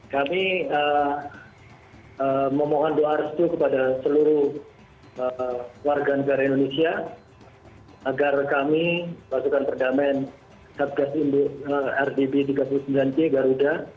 kami memohon doa restu kepada seluruh warga negara indonesia agar kami pasukan perdamaian satgas rdb tiga puluh sembilan c garuda